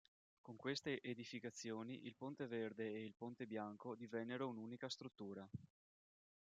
Con queste edificazioni il Ponte Verde e il Ponte Bianco divennero un'unica struttura.